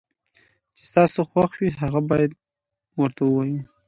چې ستا څه خوښ وي هغه به ورته ووايو